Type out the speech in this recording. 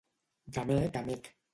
De mec a mec.